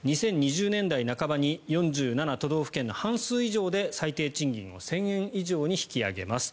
２０２０年代半ばに４７都道府県の半数以上で最低賃金を１０００円以上に引き上げます。